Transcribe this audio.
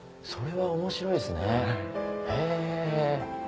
それは面白いですねへぇ。